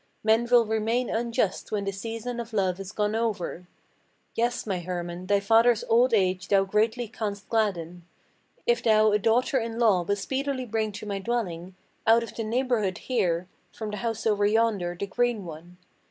Men will remain unjust when the season of love is gone over. Yes, my Hermann, thy father's old age thou greatly canst gladden, If thou a daughter in law will speedily bring to my dwelling, Out of the neighborhood here, from the house over yonder, the green one.